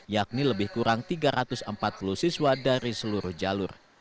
yakni lebih kurang tiga ratus empat puluh siswa dari seluruh jalur